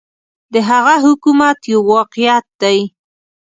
د هغه حکومت یو واقعیت دی.